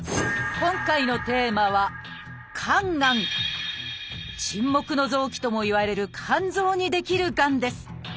今回のテーマは「沈黙の臓器」ともいわれる肝臓に出来るがんです。